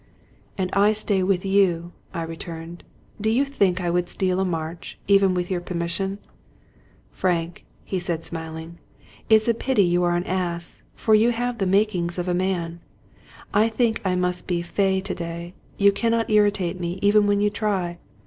" And I stay with you," I returned. " Do you think I would steal a march, even with your permission ?"" Frank," he said, smiling, " it's a pity you are an ass, for you have the makings of a man. I think I must be fey to day; you cannot irritate me even when you try.